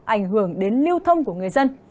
ảnh hưởng đến lưu thông của người dân